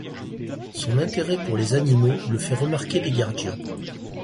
Son intérêt pour les animaux le fait remarquer des gardiens.